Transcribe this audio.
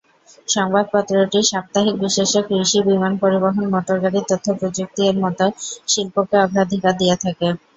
সংবাদপত্রটি সাপ্তাহিক বিশেষে কৃষি, বিমান পরিবহন, মোটরগাড়ি, তথ্যপ্রযুক্তি এর মতো শিল্পকে অগ্রাধিকার দিয়ে থাকে।